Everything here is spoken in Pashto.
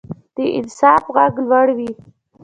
د انصاف غږ لوړ وي